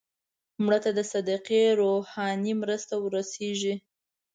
مړه ته د صدقې روحاني مرسته ورسېږي